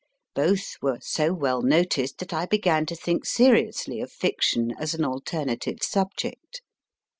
Both were so well noticed that I began to think seriously of fiction as an alternative subject.